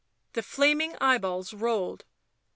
The flaming eyeballs rolled.